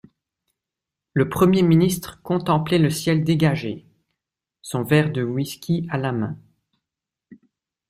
Le premier ministre contemplait le ciel dégagé, son verre de whisky à la main.